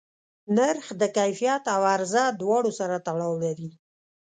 نرخ د کیفیت او عرضه دواړو سره تړاو لري.